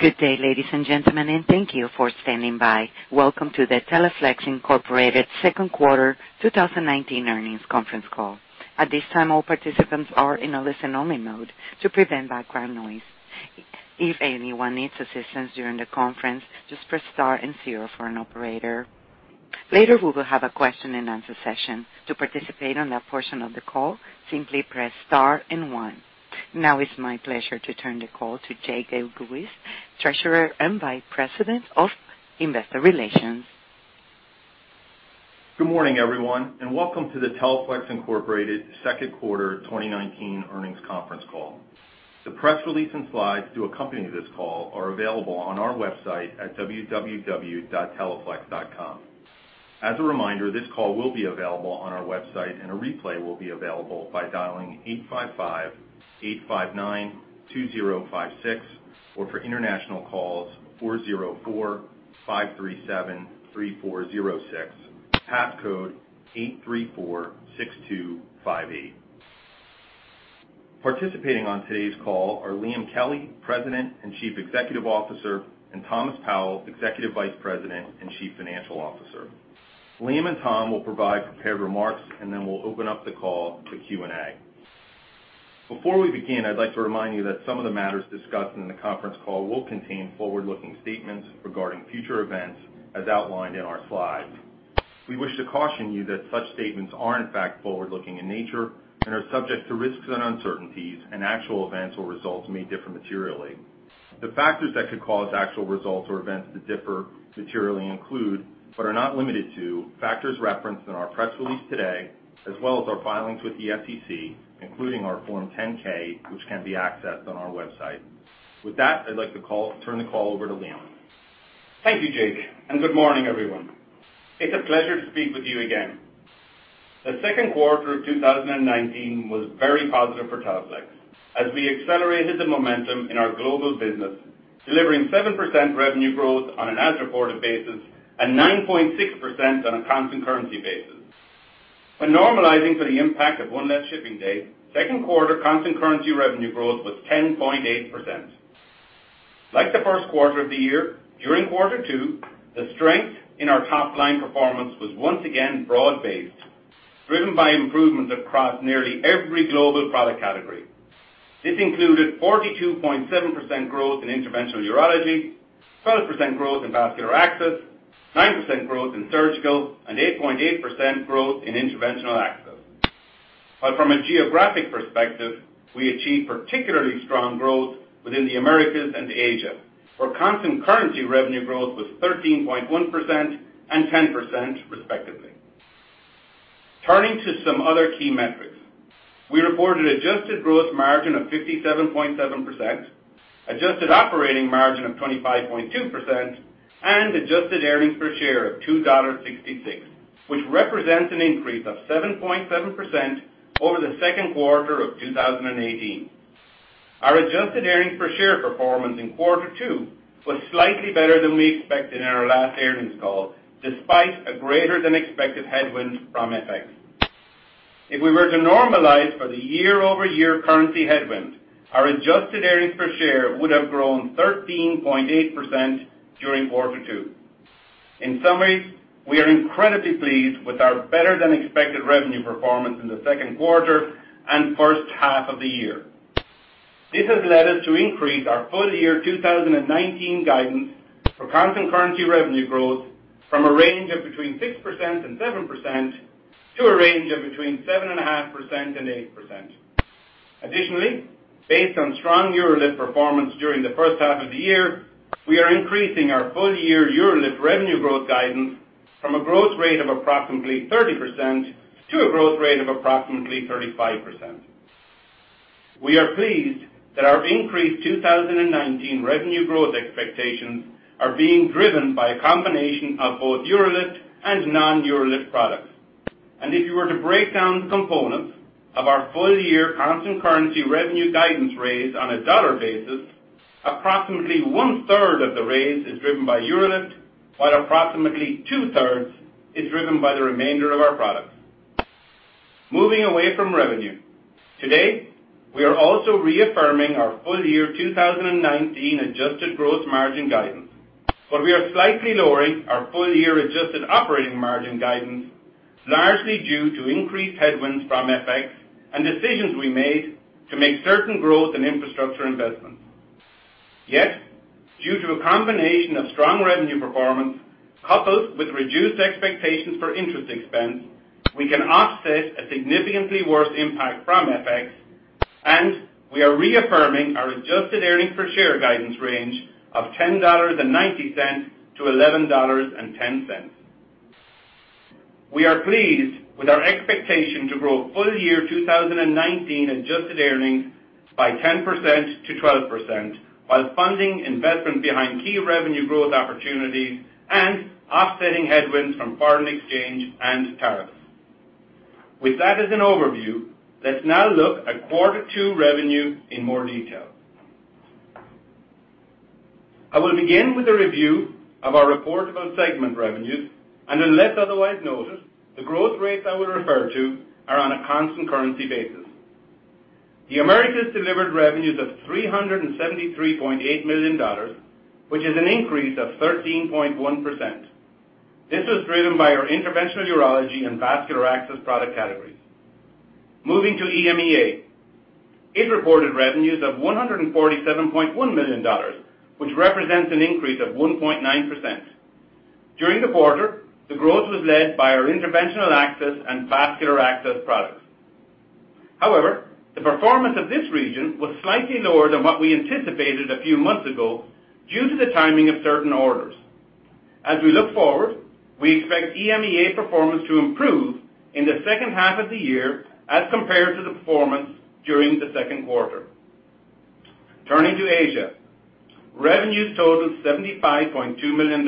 Good day, ladies and gentlemen, and thank you for standing by. Welcome to the Teleflex Incorporated Second Quarter 2019 Earnings Conference Call. At this time, all participants are in a listen-only mode to prevent background noise. If anyone needs assistance during the conference, just press star and zero for an operator. Later, we will have a question and answer session. To participate on that portion of the call, simply press star and one. Now it's my pleasure to turn the call to Jake Elguicze, Treasurer and Vice President of Investor Relations. Good morning, everyone, and welcome to the Teleflex Incorporated Second Quarter 2019 Earnings Conference Call. The press release and slides to accompany this call are available on our website at www.teleflex.com. As a reminder, this call will be available on our website, and a replay will be available by dialing 855-859-2056, or for international calls, 404-537-3406, passcode 8346258. Participating on today's call are Liam Kelly, President and Chief Executive Officer, and Thomas Powell, Executive Vice President and Chief Financial Officer. Liam and Tom will provide prepared remarks, and then we'll open up the call to Q&A. Before we begin, I'd like to remind you that some of the matters discussed in the conference call will contain forward-looking statements regarding future events as outlined in our slides. We wish to caution you that such statements are in fact forward-looking in nature and are subject to risks and uncertainties, and actual events or results may differ materially. The factors that could cause actual results or events to differ materially include, but are not limited to, factors referenced in our press release today, as well as our filings with the SEC, including our Form 10-K, which can be accessed on our website. With that, I'd like to turn the call over to Liam. Thank you, Jake. Good morning, everyone. It's a pleasure to speak with you again. The second quarter of 2019 was very positive for Teleflex as we accelerated the momentum in our global business, delivering 7% revenue growth on an as-reported basis and 9.6% on a constant currency basis. When normalizing for the impact of one less shipping day, second quarter constant currency revenue growth was 10.8%. Like the first quarter of the year, during quarter two, the strength in our top-line performance was once again broad-based, driven by improvements across nearly every global product category. This included 42.7% growth in interventional urology, 12% growth in vascular access, 9% growth in surgical, and 8.8% growth in interventional access. From a geographic perspective, we achieved particularly strong growth within the Americas and Asia, where constant currency revenue growth was 13.1% and 10%, respectively. Turning to some other key metrics. We reported adjusted gross margin of 57.7%, adjusted operating margin of 25.2%, and adjusted earnings per share of $2.66, which represents an increase of 7.7% over the second quarter of 2018. Our adjusted earnings per share performance in quarter two was slightly better than we expected in our last earnings call, despite a greater-than-expected headwind from FX. If we were to normalize for the year-over-year currency headwind, our adjusted earnings per share would have grown 13.8% during quarter two. In summary, we are incredibly pleased with our better-than-expected revenue performance in the second quarter and first half of the year. This has led us to increase our full-year 2019 guidance for constant currency revenue growth from a range of between 6% and 7% to a range of between 7.5% and 8%. Additionally, based on strong UroLift performance during the first half of the year, we are increasing our full-year UroLift revenue growth guidance from a growth rate of approximately 30% to a growth rate of approximately 35%. We are pleased that our increased 2019 revenue growth expectations are being driven by a combination of both UroLift and non-UroLift products. If you were to break down the components of our full-year constant currency revenue guidance raise on a dollar basis, approximately one-third of the raise is driven by UroLift, while approximately two-thirds is driven by the remainder of our products. Moving away from revenue. Today, we are also reaffirming our full-year 2019 adjusted gross margin guidance. We are slightly lowering our full-year adjusted operating margin guidance, largely due to increased headwinds from FX and decisions we made to make certain growth and infrastructure investments. Due to a combination of strong revenue performance coupled with reduced expectations for interest expense, we can offset a significantly worse impact from FX, and we are reaffirming our adjusted earnings per share guidance range of $10.90-$11.10. We are pleased with our expectation to grow full-year 2019 adjusted earnings by 10%-12% while funding investment behind key revenue growth opportunities and offsetting headwinds from foreign exchange and tariffs. Let's now look at quarter 2 revenue in more detail. I will begin with a review of our reportable segment revenues, and unless otherwise noted, the growth rates I will refer to are on a constant currency basis. The Americas delivered revenues of $373.8 million, which is an increase of 13.1%. This was driven by our interventional urology and vascular access product categories. Moving to EMEA. It reported revenues of $147.1 million, which represents an increase of 1.9%. During the quarter, the growth was led by our interventional access and vascular access products. The performance of this region was slightly lower than what we anticipated a few months ago due to the timing of certain orders. As we look forward, we expect EMEA performance to improve in the second half of the year as compared to the performance during the second quarter. Turning to Asia. Revenues totaled $75.2 million,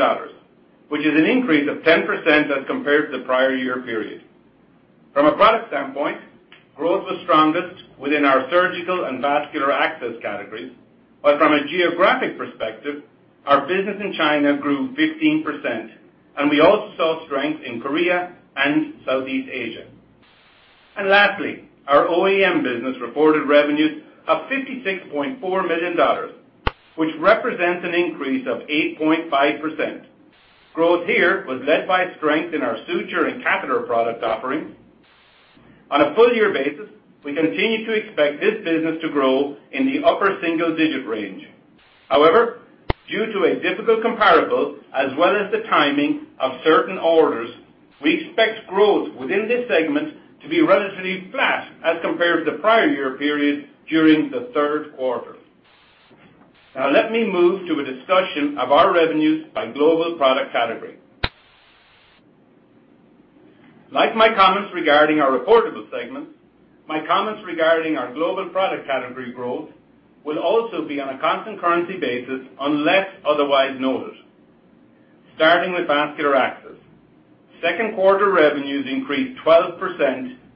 which is an increase of 10% as compared to the prior year period. From a product standpoint, growth was strongest within our surgical and vascular access categories. From a geographic perspective, our business in China grew 15%, and we also saw strength in Korea and Southeast Asia. Lastly, our OEM business reported revenues of $56.4 million, which represents an increase of 8.5%. Growth here was led by strength in our suture and catheter product offerings. On a full year basis, we continue to expect this business to grow in the upper single-digit range. However, due to a difficult comparable as well as the timing of certain orders, we expect growth within this segment to be relatively flat as compared to the prior year period during the third quarter. Now let me move to a discussion of our revenues by global product category. Like my comments regarding our reportable segments, my comments regarding our global product category growth will also be on a constant currency basis unless otherwise noted. Starting with vascular access. Second quarter revenues increased 12%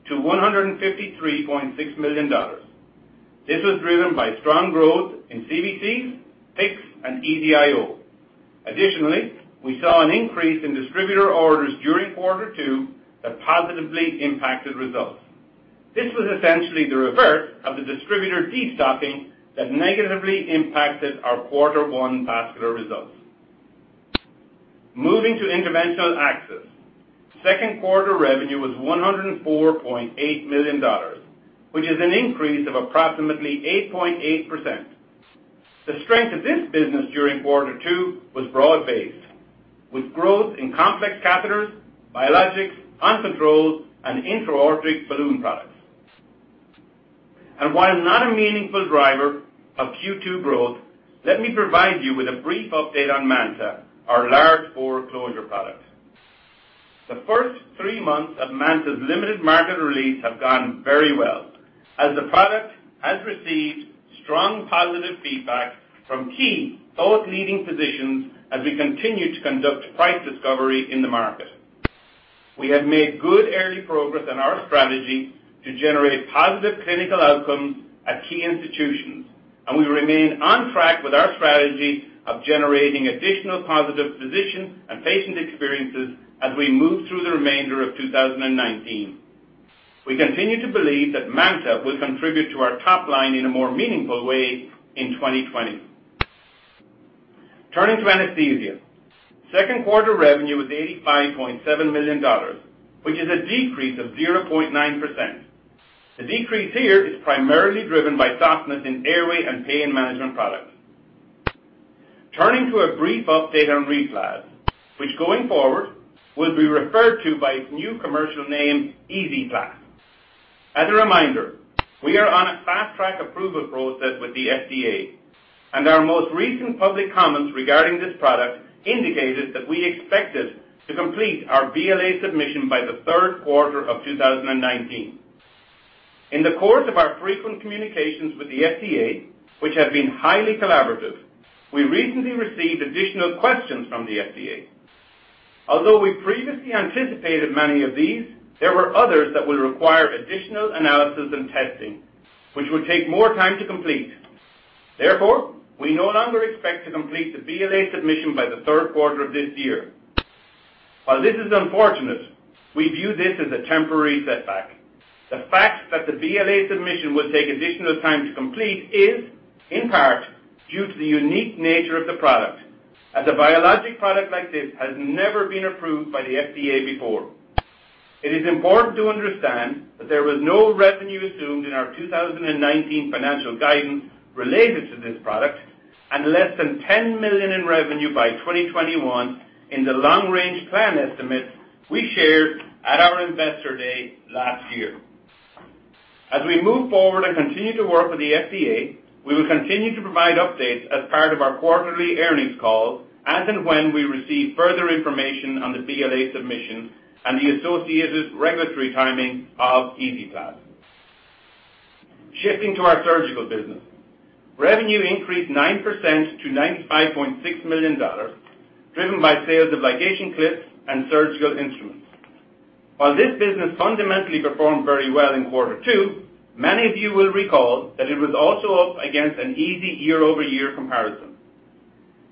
to $153.6 million. This was driven by strong growth in CVCs, PICCs, and EZ-IO. Additionally, we saw an increase in distributor orders during quarter 2 that positively impacted results. This was essentially the reverse of the distributor destocking that negatively impacted our quarter 1 vascular results. Moving to interventional access. Second quarter revenue was $104.8 million, which is an increase of approximately 8.8%. The strength of this business during quarter 2 was broad-based, with growth in complex catheters, biologics, OnControl, and intra-aortic balloon products. While not a meaningful driver of Q2 growth, let me provide you with a brief update on MANTA, our large bore closure product. The first 3 months of MANTA's limited market release have gone very well, as the product has received strong positive feedback from key thought leading physicians as we continue to conduct price discovery in the market. We have made good early progress on our strategy to generate positive clinical outcomes at key institutions, and we remain on track with our strategy of generating additional positive physician and patient experiences as we move through the remainder of 2019. We continue to believe that MANTA will contribute to our top line in a more meaningful way in 2020. Turning to anesthesia. Second quarter revenue was $85.7 million, which is a decrease of 0.9%. The decrease here is primarily driven by softness in airway and pain management products. Turning to a brief update on RePlas, which going forward will be referred to by its new commercial name, EZ-PLAZ. As a reminder, we are on a fast-track approval process with the FDA, and our most recent public comments regarding this product indicated that we expected to complete our BLA submission by the third quarter of 2019. In the course of our frequent communications with the FDA, which have been highly collaborative, we recently received additional questions from the FDA. Although we previously anticipated many of these, there were others that will require additional analysis and testing, which will take more time to complete. Therefore, we no longer expect to complete the BLA submission by the third quarter of this year. While this is unfortunate, we view this as a temporary setback. The fact that the BLA submission will take additional time to complete is in part due to the unique nature of the product, as a biologic product like this has never been approved by the FDA before. It is important to understand that there was no revenue assumed in our 2019 financial guidance related to this product and less than $10 million in revenue by 2021 in the long-range plan estimates we shared at our investor day last year. As we move forward and continue to work with the FDA, we will continue to provide updates as part of our quarterly earnings call as and when we receive further information on the BLA submission and the associated regulatory timing of EZ-PLAZ. Shifting to our Surgical business. Revenue increased 9% to $95.6 million, driven by sales of ligation clips and surgical instruments. While this business fundamentally performed very well in quarter two, many of you will recall that it was also up against an easy year-over-year comparison.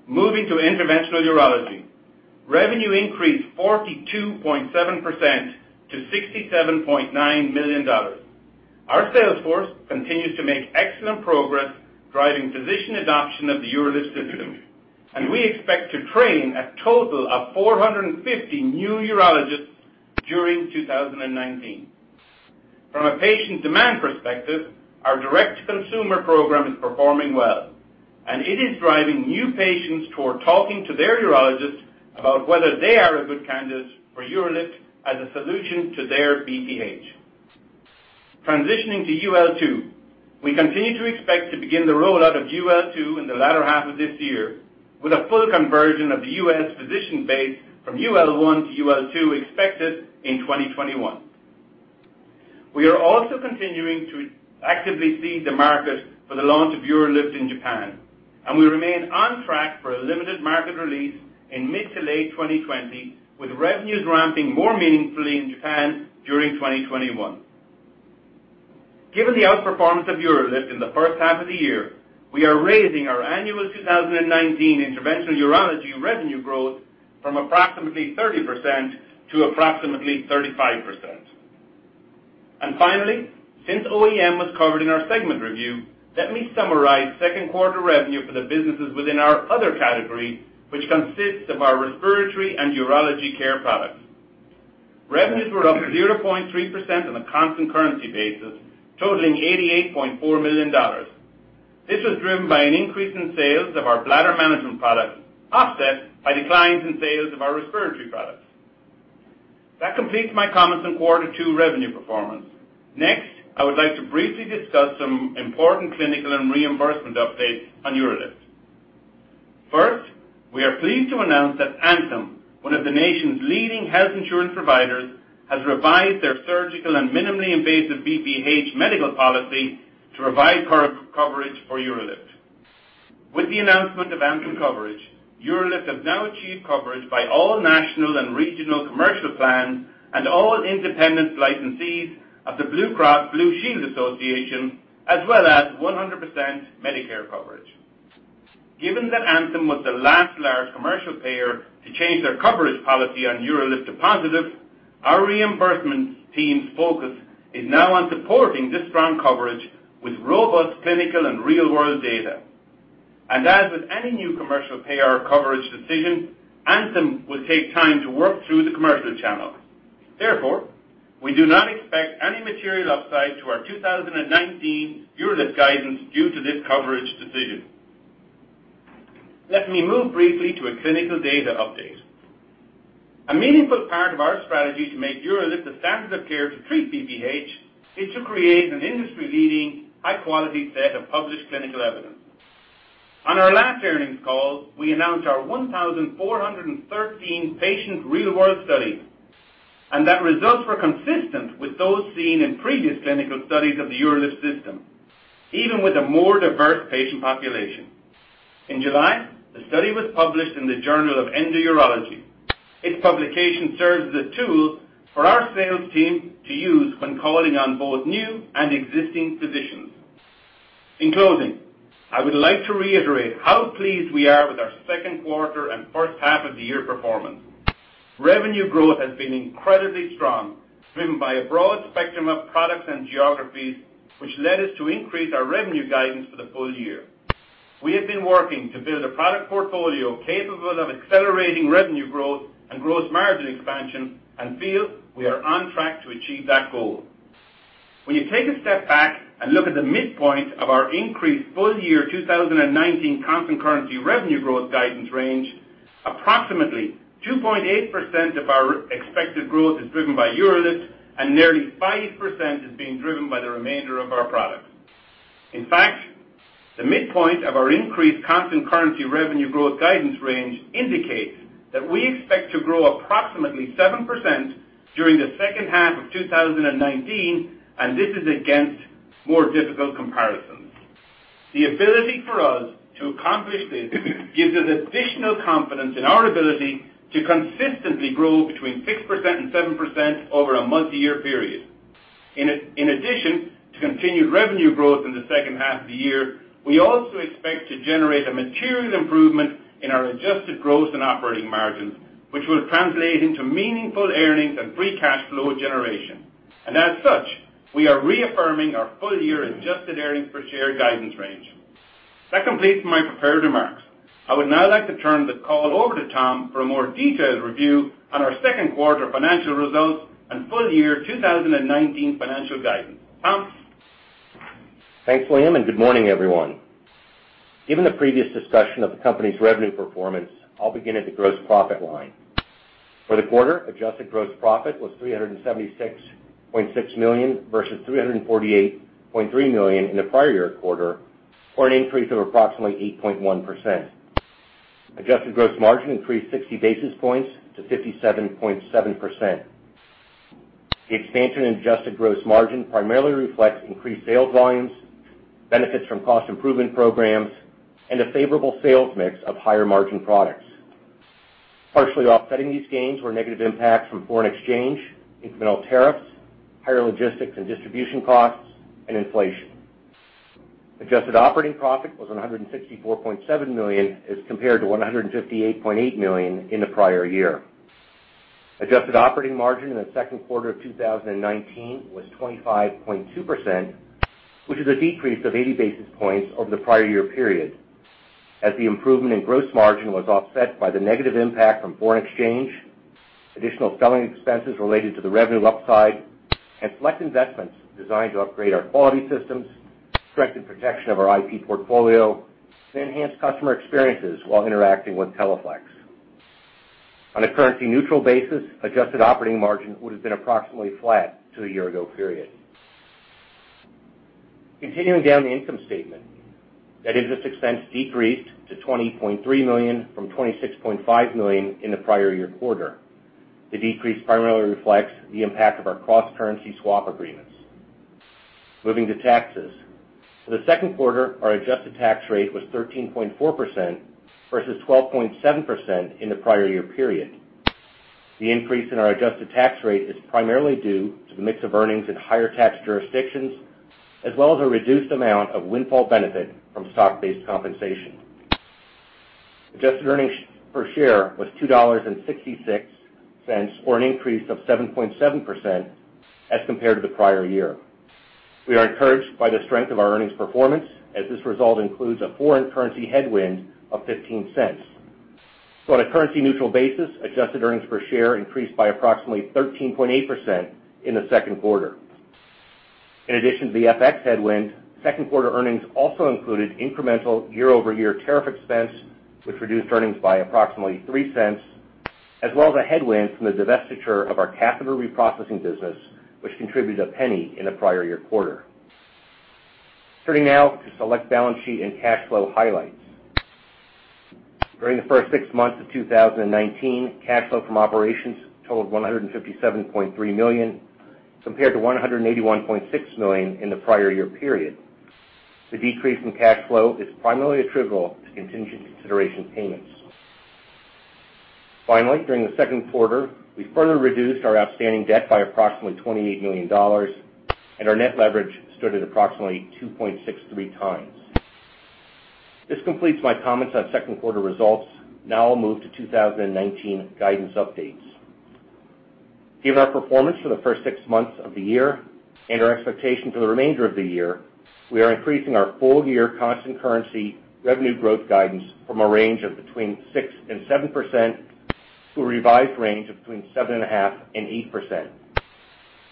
Moving to Interventional Urology. Revenue increased 42.7% to $67.9 million. Our sales force continues to make excellent progress driving physician adoption of the UroLift System. We expect to train a total of 450 new urologists during 2019. From a patient demand perspective, our direct consumer program is performing well, and it is driving new patients toward talking to their urologist about whether they are a good candidate for UroLift as a solution to their BPH. Transitioning to UL 2, we continue to expect to begin the rollout of UL 2 in the latter half of this year, with a full conversion of the U.S. physician base from UL 1 to UL 2 expected in 2021. We are also continuing to actively seed the market for the launch of UroLift in Japan. We remain on track for a limited market release in mid to late 2020, with revenues ramping more meaningfully in Japan during 2021. Given the outperformance of UroLift in the first half of the year, we are raising our annual 2019 interventional urology revenue growth from approximately 30% to approximately 35%. Finally, since OEM was covered in our segment review, let me summarize second quarter revenue for the businesses within our other category, which consists of our respiratory and urology care products. Revenues were up 0.3% on a constant currency basis, totaling $88.4 million. This was driven by an increase in sales of our bladder management products, offset by declines in sales of our respiratory products. That completes my comments on quarter two revenue performance. Next, I would like to briefly discuss some important clinical and reimbursement updates on UroLift. First, we are pleased to announce that Anthem, one of the nation's leading health insurance providers, has revised their surgical and minimally invasive BPH medical policy to provide coverage for UroLift. With the announcement of Anthem coverage, UroLift has now achieved coverage by all national and regional commercial plans and all independent licensees of the Blue Cross Blue Shield Association, as well as 100% Medicare coverage. Given that Anthem was the last large commercial payer to change their coverage policy on UroLift to positive, our reimbursement team's focus is now on supporting this strong coverage with robust clinical and real-world data. As with any new commercial payer coverage decision, Anthem will take time to work through the commercial channels. Therefore, we do not expect any material upside to our 2019 UroLift guidance due to this coverage decision. Let me move briefly to a clinical data update. A meaningful part of our strategy to make UroLift the standard of care to treat BPH is to create an industry-leading, high-quality set of published clinical evidence. On our last earnings call, we announced our 1,413-patient real-world study, and that results were consistent with those seen in previous clinical studies of the UroLift System, even with a more diverse patient population. In July, the study was published in the Journal of Endourology. Its publication serves as a tool for our sales team to use when calling on both new and existing physicians. In closing, I would like to reiterate how pleased we are with our second quarter and first half of the year performance. Revenue growth has been incredibly strong, driven by a broad spectrum of products and geographies, which led us to increase our revenue guidance for the full year. We have been working to build a product portfolio capable of accelerating revenue growth and gross margin expansion and feel we are on track to achieve that goal. When you take a step back and look at the midpoint of our increased full-year 2019 constant currency revenue growth guidance range, approximately 2.8% of our expected growth is driven by UroLift and nearly 5% is being driven by the remainder of our products. In fact, the midpoint of our increased constant currency revenue growth guidance range indicates that we expect to grow approximately 7% during the second half of 2019, and this is against more difficult comparisons. The ability for us to accomplish this gives us additional confidence in our ability to consistently grow between 6% and 7% over a multi-year period. In addition to continued revenue growth in the second half of the year, we also expect to generate a material improvement in our adjusted growth and operating margins, which will translate into meaningful earnings and free cash flow generation. As such, we are reaffirming our full-year adjusted earnings per share guidance range. That completes my prepared remarks. I would now like to turn the call over to Tom for a more detailed review on our second quarter financial results and full-year 2019 financial guidance. Tom? Thanks, Liam, good morning, everyone. Given the previous discussion of the company's revenue performance, I'll begin at the gross profit line. For the quarter, adjusted gross profit was $376.6 million, versus $348.3 million in the prior year quarter, or an increase of approximately 8.1%. Adjusted gross margin increased 60 basis points to 57.7%. The expansion in adjusted gross margin primarily reflects increased sales volumes, benefits from cost improvement programs, and a favorable sales mix of higher-margin products. Partially offsetting these gains were negative impacts from foreign exchange, incremental tariffs, higher logistics and distribution costs, and inflation. Adjusted operating profit was $164.7 million as compared to $158.8 million in the prior year. Adjusted operating margin in the second quarter of 2019 was 25.2%, which is a decrease of 80 basis points over the prior year period, as the improvement in gross margin was offset by the negative impact from foreign exchange, additional selling expenses related to the revenue upside, and select investments designed to upgrade our quality systems, strengthen protection of our IP portfolio, and enhance customer experiences while interacting with Teleflex. On a currency-neutral basis, adjusted operating margin would have been approximately flat to the year-ago period. Continuing down the income statement, that is, this expense decreased to $20.3 million from $26.5 million in the prior year quarter. The decrease primarily reflects the impact of our cross-currency swap agreements. Moving to taxes. For the second quarter, our adjusted tax rate was 13.4% versus 12.7% in the prior year period. The increase in our adjusted tax rate is primarily due to the mix of earnings in higher tax jurisdictions, as well as a reduced amount of windfall benefit from stock-based compensation. Adjusted earnings per share was $2.66, or an increase of 7.7% as compared to the prior year. We are encouraged by the strength of our earnings performance, as this result includes a foreign currency headwind of $0.15. On a currency-neutral basis, adjusted earnings per share increased by approximately 13.8% in the second quarter. In addition to the FX headwind, second quarter earnings also included incremental year-over-year tariff expense, which reduced earnings by approximately $0.03, as well as a headwind from the divestiture of our catheter reprocessing business, which contributed $0.01 in the prior year quarter. Turning now to select balance sheet and cash flow highlights. During the first six months of 2019, cash flow from operations totaled $157.3 million, compared to $181.6 million in the prior year period. The decrease in cash flow is primarily attributable to contingent consideration payments. During the second quarter, we further reduced our outstanding debt by approximately $28 million, and our net leverage stood at approximately 2.63 times. This completes my comments on second quarter results. I'll move to 2019 guidance updates. Given our performance for the first six months of the year and our expectation for the remainder of the year, we are increasing our full-year constant currency revenue growth guidance from a range of between 6% and 7% to a revised range of between 7.5% and 8%.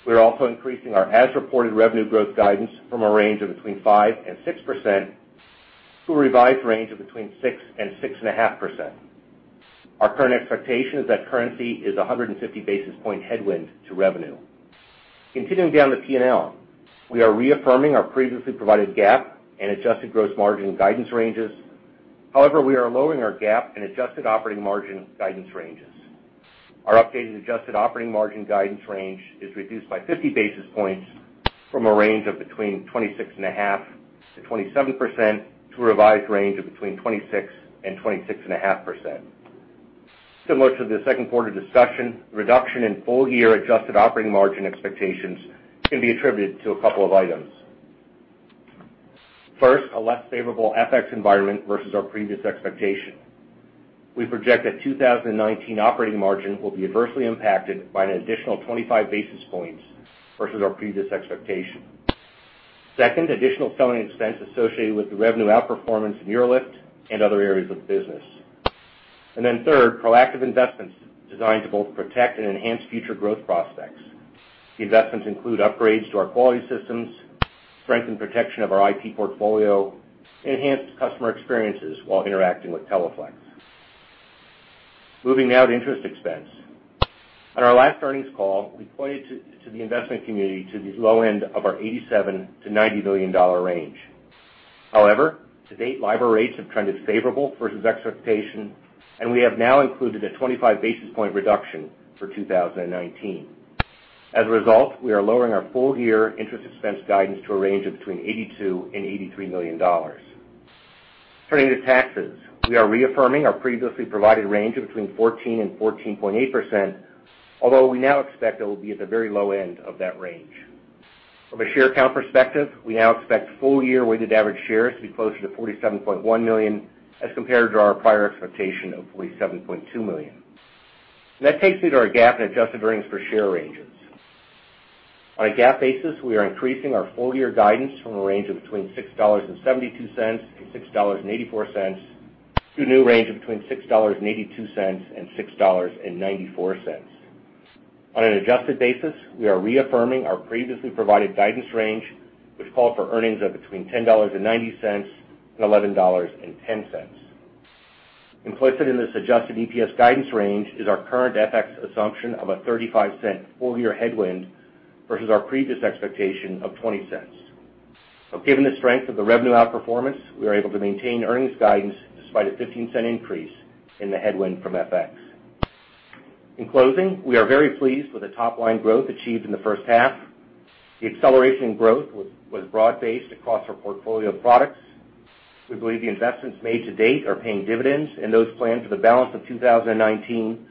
We're also increasing our as-reported revenue growth guidance from a range of between 5% and 6% to a revised range of between 6% and 6.5%. Our current expectation is that currency is 150 basis point headwind to revenue. Continuing down the P&L, we are reaffirming our previously provided GAAP and adjusted gross margin guidance ranges. However, we are lowering our GAAP and adjusted operating margin guidance ranges. Our updated adjusted operating margin guidance range is reduced by 50 basis points from a range of between 26.5%-27% to a revised range of between 26% and 26.5%. Similar to the second quarter discussion, reduction in full-year adjusted operating margin expectations can be attributed to a couple of items. First, a less favorable FX environment versus our previous expectation. We project that 2019 operating margin will be adversely impacted by an additional 25 basis points versus our previous expectation. Second, additional selling expense associated with the revenue outperformance in UroLift and other areas of the business. Then third, proactive investments designed to both protect and enhance future growth prospects. The investments include upgrades to our quality systems, strength and protection of our IP portfolio, and enhanced customer experiences while interacting with Teleflex. Moving now to interest expense. On our last earnings call, we pointed to the investment community to the low end of our $87 million to $90 million range. However, to date, LIBOR rates have trended favorable versus expectation, and we have now included a 25 basis point reduction for 2019. As a result, we are lowering our full-year interest expense guidance to a range of between $82 million and $83 million. Turning to taxes. We are reaffirming our previously provided range of between 14% and 14.8%, although we now expect it will be at the very low end of that range. From a share count perspective, we now expect full-year weighted average shares to be closer to 47.1 million as compared to our prior expectation of 47.2 million. That takes me to our GAAP and adjusted earnings per share ranges. On a GAAP basis, we are increasing our full-year guidance from a range of between $6.72-$6.84 to a new range of between $6.82 and $6.94. On an adjusted basis, we are reaffirming our previously provided guidance range, which called for earnings of between $10.90 and $11.10. Implicit in this adjusted EPS guidance range is our current FX assumption of a $0.35 full-year headwind versus our previous expectation of $0.20. Given the strength of the revenue outperformance, we are able to maintain earnings guidance despite a $0.15 increase in the headwind from FX. In closing, we are very pleased with the top-line growth achieved in the first half. The acceleration growth was broad-based across our portfolio of products. We believe the investments made to date are paying dividends, and those planned for the balance of 2019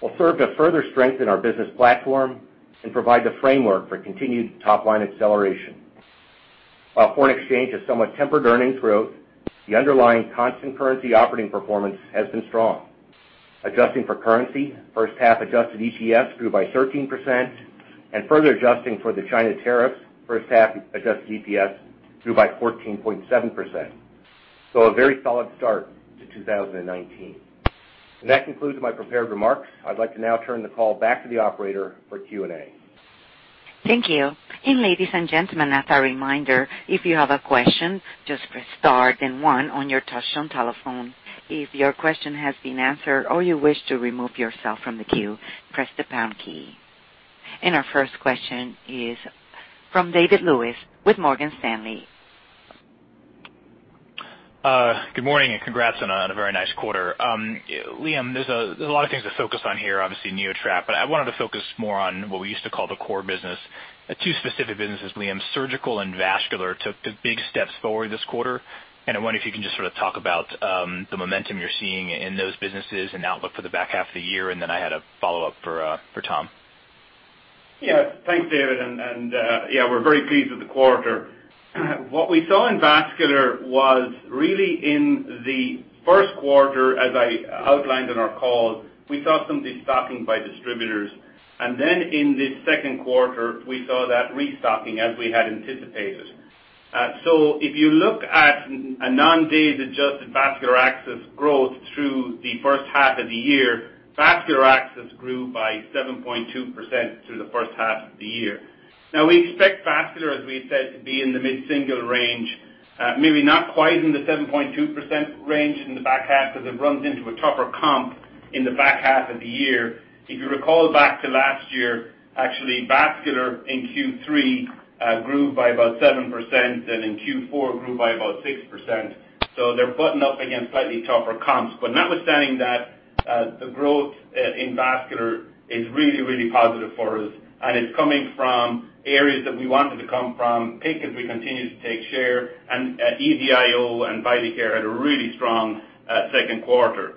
will serve to further strengthen our business platform and provide the framework for continued top-line acceleration. While foreign exchange has somewhat tempered earnings growth, the underlying constant currency operating performance has been strong. Adjusting for currency, first half adjusted EPS grew by 13%, and further adjusting for the China tariffs, first half adjusted EPS grew by 14.7%. A very solid start to 2019. That concludes my prepared remarks. I'd like to now turn the call back to the operator for Q&A. Thank you. Ladies and gentlemen, as a reminder, if you have a question, just press star then one on your touch-tone telephone. If your question has been answered or you wish to remove yourself from the queue, press the pound key. Our first question is from David Lewis with Morgan Stanley. Good morning, and congrats on a very nice quarter. Liam, there's a lot of things to focus on here, obviously NeoTract, but I wanted to focus more on what we used to call the core business. Two specific businesses, Liam. Surgical and vascular took big steps forward this quarter, and I wonder if you can just sort of talk about the momentum you're seeing in those businesses and outlook for the back half of the year, and then I had a follow-up for Tom. Yeah. Thanks, David. We're very pleased with the quarter. What we saw in vascular was really in the first quarter, as I outlined on our call, we saw some destocking by distributors. In the second quarter, we saw that restocking as we had anticipated. If you look at a non-GAAP adjusted vascular access growth through the first half of the year, vascular access grew by 7.2% through the first half of the year. Now we expect vascular, as we had said, to be in the mid-single range, maybe not quite in the 7.2% range in the back half because it runs into a tougher comp in the back half of the year. If you recall back to last year, actually, vascular in Q3 grew by about 7% and in Q4 grew by about 6%. They're buttoned up against slightly tougher comps. Notwithstanding that, the growth in vascular is really, really positive for us, and it's coming from areas that we want it to come from, PICC as we continue to take share, and EZ-IO and VitalCare had a really strong second quarter.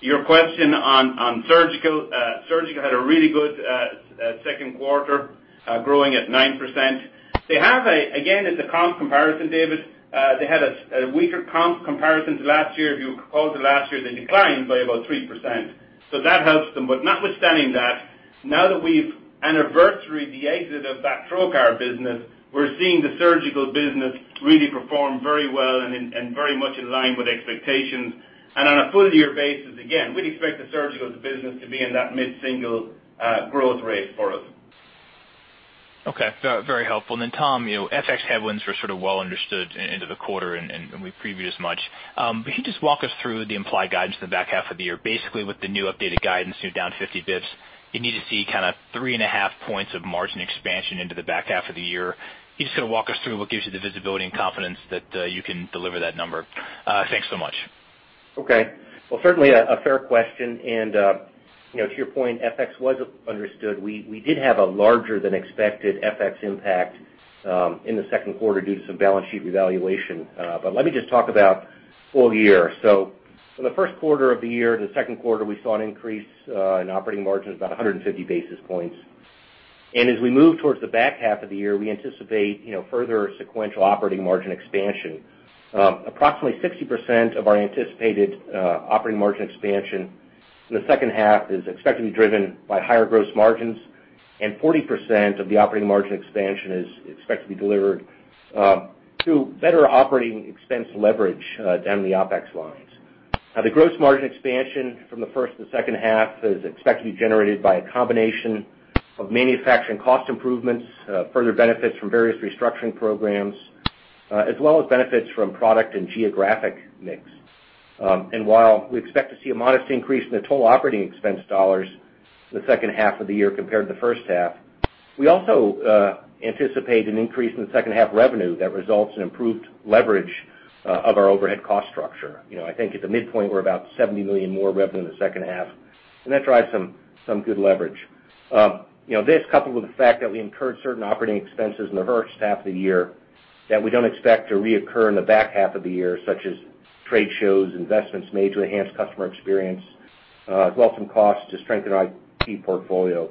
Your question on surgical. Surgical had a really good second quarter, growing at 9%. Again, it's a comp comparison, David. They had a weaker comp comparison to last year. If you recall to last year, they declined by about 3%. That helps them. Notwithstanding that, now that we've anniversaried the exit of that trocar business, we're seeing the surgical business really perform very well and very much in line with expectations. On a full-year basis, again, we'd expect the surgical business to be in that mid-single growth rate for us. Okay. Very helpful. Tom, FX headwinds were sort of well understood into the quarter, and we previewed as much. Can you just walk us through the implied guidance for the back half of the year? Basically, with the new updated guidance, you're down 50 basis points. You need to see kind of 3.5 points of margin expansion into the back half of the year. Can you just kind of walk us through what gives you the visibility and confidence that you can deliver that number? Thanks so much. Okay. Well, certainly a fair question. To your point, FX was understood. We did have a larger than expected FX impact in the second quarter due to some balance sheet revaluation. Let me just talk about full year. For the first quarter of the year to the second quarter, we saw an increase in operating margins about 150 basis points. As we move towards the back half of the year, we anticipate further sequential operating margin expansion. Approximately 60% of our anticipated operating margin expansion in the second half is expected to be driven by higher gross margins, and 40% of the operating margin expansion is expected to be delivered through better operating expense leverage down the OpEx lines. Now the gross margin expansion from the first to second half is expected to be generated by a combination of manufacturing cost improvements, further benefits from various restructuring programs, as well as benefits from product and geographic mix. While we expect to see a modest increase in the total operating expense dollars in the second half of the year compared to the first half, we also anticipate an increase in second half revenue that results in improved leverage of our overhead cost structure. I think at the midpoint, we're about $70 million more revenue in the second half, and that drives some good leverage. This coupled with the fact that we incurred certain operating expenses in the first half of the year that we don't expect to reoccur in the back half of the year, such as trade shows, investments made to enhance customer experience, as well as some costs to strengthen our IP portfolio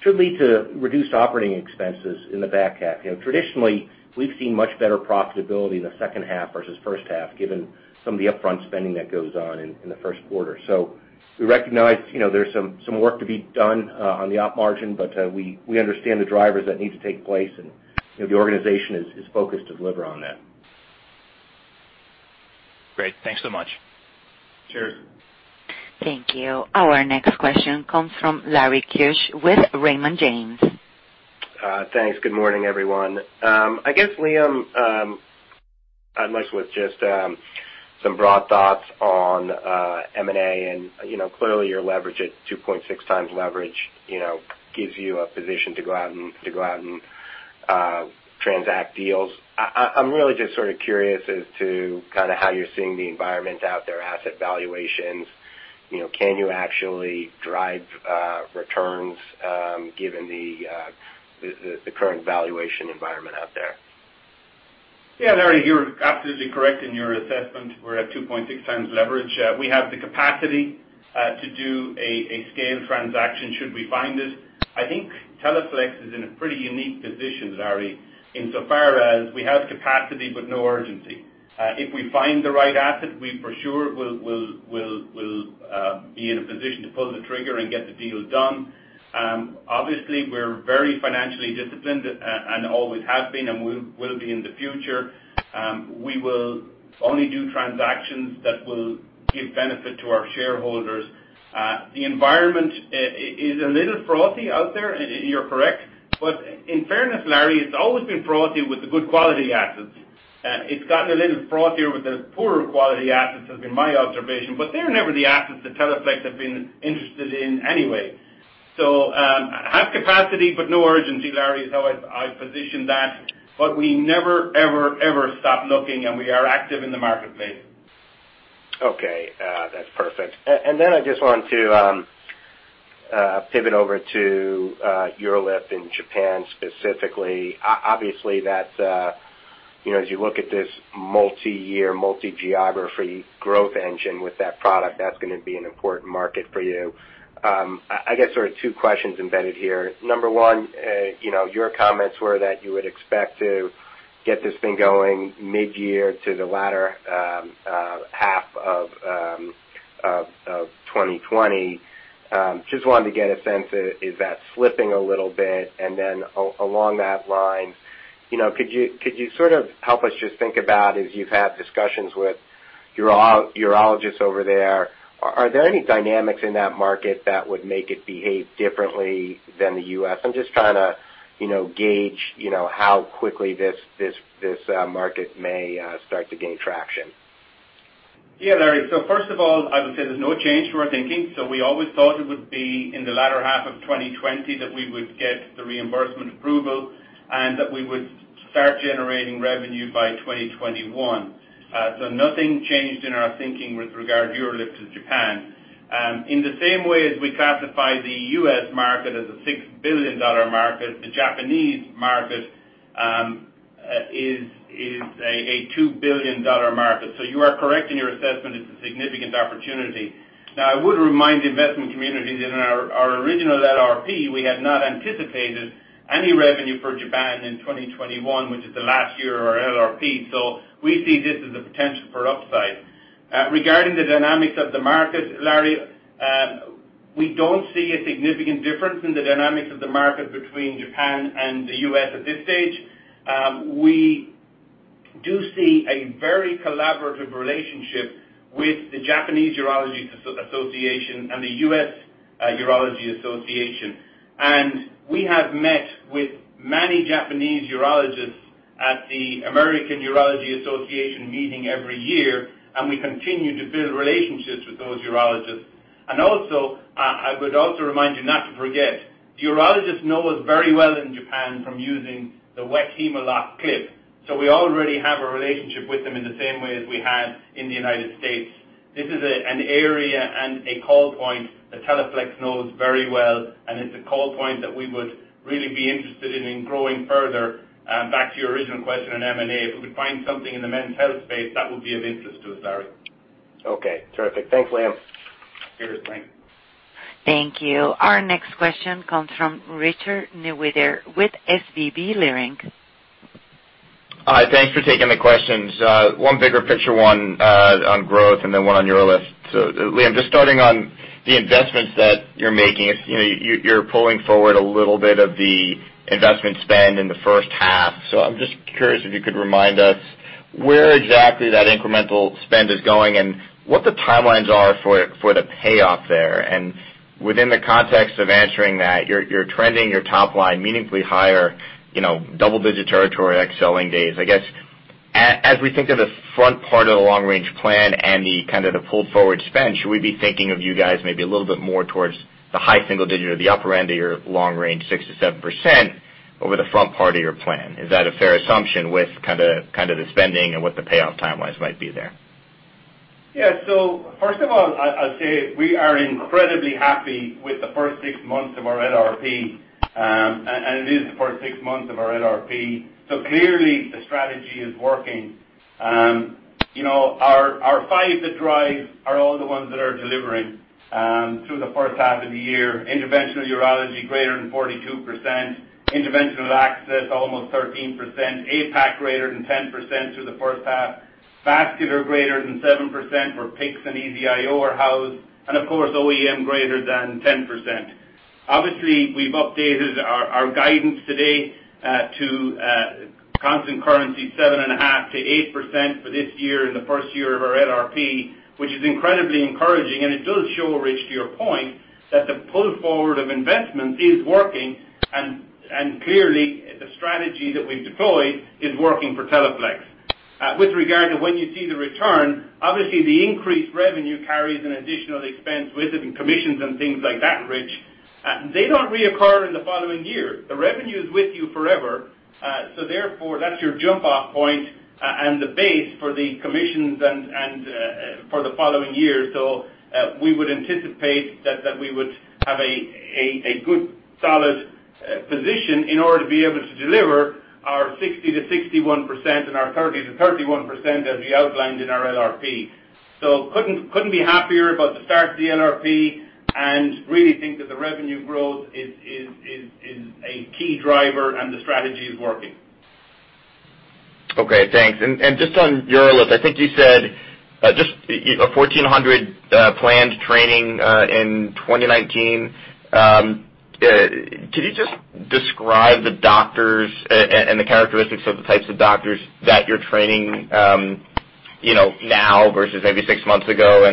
should lead to reduced operating expenses in the back half. Traditionally, we've seen much better profitability in the second half versus first half given some of the upfront spending that goes on in the first quarter. We recognize there's some work to be done on the op margin, we understand the drivers that need to take place, and the organization is focused to deliver on that. Great. Thanks so much. Sure. Thank you. Our next question comes from Larry Keusch with Raymond James. Thanks. Good morning, everyone. I guess, Liam, I'd like just some broad thoughts on M&A and clearly your leverage at 2.6 times leverage gives you a position to go out and transact deals. I'm really just sort of curious as to how you're seeing the environment out there, asset valuations. Can you actually drive returns given the current valuation environment out there? Yeah, Larry, you're absolutely correct in your assessment. We're at 2.6 times leverage. We have the capacity to do a scale transaction should we find it. I think Teleflex is in a pretty unique position, Larry, insofar as we have capacity but no urgency. If we find the right asset, we for sure will be in a position to pull the trigger and get the deal done. Obviously, we're very financially disciplined and always have been, and we will be in the future. We will only do transactions that will give benefit to our shareholders. The environment is a little frothy out there, you're correct. In fairness, Larry, it's always been frothy with the good quality assets. It's gotten a little frothier with the poorer quality assets, has been my observation, they're never the assets that Teleflex have been interested in anyway. Have capacity but no urgency, Larry, is how I position that. We never, ever stop looking, and we are active in the marketplace. Okay. That's perfect. Then I just want to pivot over to UroLift in Japan specifically. Obviously, as you look at this multi-year, multi-geography growth engine with that product, that's going to be an important market for you. I guess sort of two questions embedded here. Number one, your comments were that you would expect to get this thing going mid-year to the latter half of 2020. Wanted to get a sense, is that slipping a little bit? Then along that line, could you sort of help us just think about, as you've had discussions with urologists over there, are there any dynamics in that market that would make it behave differently than the U.S.? I'm just trying to gauge how quickly this market may start to gain traction. Yeah, Larry. First of all, I would say there's no change to our thinking. We always thought it would be in the latter half of 2020 that we would get the reimbursement approval and that we would start generating revenue by 2021. Nothing changed in our thinking with regard UroLift in Japan. In the same way as we classify the U.S. market as a $6 billion market, the Japanese market is a $2 billion market. You are correct in your assessment, it's a significant opportunity. Now, I would remind the investment community that in our original LRP, we had not anticipated any revenue for Japan in 2021, which is the last year of our LRP. We see this as a potential for upside. Regarding the dynamics of the market, Larry, we don't see a significant difference in the dynamics of the market between Japan and the U.S. at this stage. We do see a very collaborative relationship with The Japanese Urological Association and the American Urological Association. We have met with many Japanese urologists at the American Urological Association meeting every year, and we continue to build relationships with those urologists. Also, I would also remind you not to forget, the urologists know us very well in Japan from using the Weck Hem-o-lok clip. We already have a relationship with them in the same way as we had in the United States. This is an area and a call point that Teleflex knows very well, and it's a call point that we would really be interested in growing further. Back to your original question on M&A, if we could find something in the men's health space, that would be of interest to us, Larry. Okay, terrific. Thanks, Liam. Cheers, Larry. Thank you. Our next question comes from Richard Newitter with SVB Leerink. Hi. Thanks for taking the questions. One bigger picture one on growth and then one on UroLift. Liam, just starting on the investments that you're making, you're pulling forward a little bit of the investment spend in the first half. I'm just curious if you could remind us where exactly that incremental spend is going and what the timelines are for the payoff there. Within the context of answering that, you're trending your top line meaningfully higher, double-digit territory ex selling days. I guess, as we think of the front part of the long-range plan and the kind of the pull forward spend, should we be thinking of you guys maybe a little bit more towards the high single digit or the upper end of your long-range, 6%-7%, over the front part of your plan? Is that a fair assumption with kind of the spending and what the payoff timelines might be there? First of all, I'll say we are incredibly happy with the first six months of our LRP. It is the first six months of our LRP. Clearly the strategy is working. Our five that drive are all the ones that are delivering through the first half of the year. Interventional Urology greater than 42%, Interventional Access almost 13%, APAC greater than 10% through the first half, Vascular greater than 7% where PICCs and EZ-IO are housed, and of course, OEM greater than 10%. Obviously, we've updated our guidance today to constant currency 7.5% to 8% for this year in the first year of our LRP, which is incredibly encouraging, and it does show, Rich, to your point, that the pull forward of investments is working, and clearly the strategy that we've deployed is working for Teleflex. With regard to when you see the return, obviously the increased revenue carries an additional expense with it in commissions and things like that, Rich. They don't reoccur in the following year. The revenue is with you forever, therefore, that's your jump-off point and the base for the commissions and for the following year. We would anticipate that we would have a good, solid position in order to be able to deliver our 60%-61% and our 30%-31% as we outlined in our LRP. Couldn't be happier about the start of the LRP and really think that the revenue growth is a key driver and the strategy is working. Okay, thanks. Just on your list, I think you said just 1,400 planned training in 2019. Can you just describe the doctors and the characteristics of the types of doctors that you're training now versus maybe six months ago?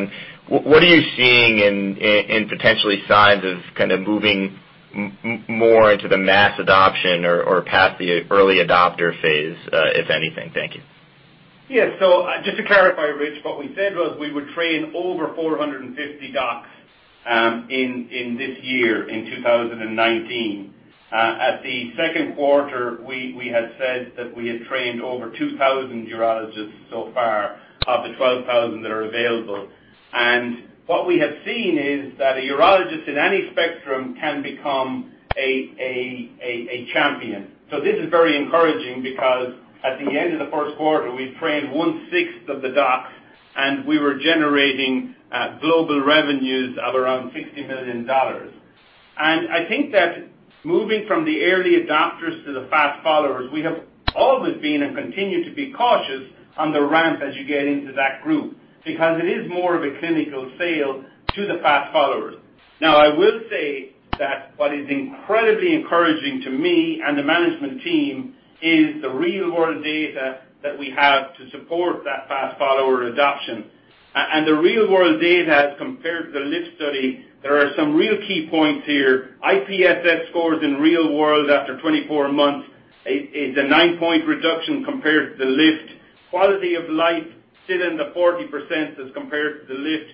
What are you seeing in potentially signs of kind of moving more into the mass adoption or past the early adopter phase, if anything? Thank you. Just to clarify, Rich, what we said was we would train over 450 docs in this year, in 2019. At the second quarter, we had said that we had trained over 2,000 urologists so far of the 12,000 that are available. What we have seen is that a urologist in any spectrum can become a champion. This is very encouraging because at the end of the first quarter, we trained one-sixth of the docs, and we were generating global revenues of around $60 million. I think that moving from the early adopters to the fast followers, we have always been and continue to be cautious on the ramp as you get into that group, because it is more of a clinical sale to the fast followers. I will say that what is incredibly encouraging to me and the management team is the real-world data that we have to support that fast follower adoption. The real-world data as compared to the LIFT study, there are some real key points here. IPSS scores in real world after 24 months is a nine-point reduction compared to the LIFT. Quality of life, still in the 40% as compared to the LIFT.